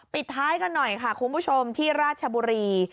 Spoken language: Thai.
ปิดท้ายกันหน่อยค่ะคุณผู้ชมที่ราชบุรี